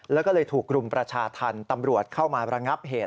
แล้วก็เลยถูกรุมประชาธรรมตำรวจเข้ามาระงับเหตุ